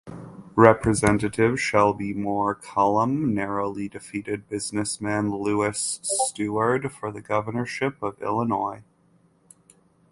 Representative Shelby Moore Cullom narrowly defeated businessman Lewis Steward for the Governorship of Illinois.